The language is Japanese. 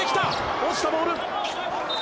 落ちたボール。